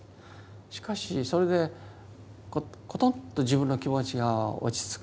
しかしそれでコトっと自分の気持ちが落ち着くとかね